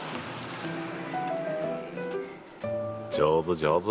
上手上手。